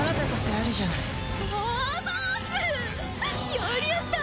やりやした！